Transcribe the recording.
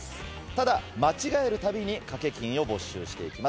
ただ間違えるたびに賭け金を没収していきます。